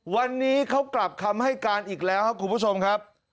วันนี้เขากลับคำให้การอีกแล้วครับคุณผู้ชมครับ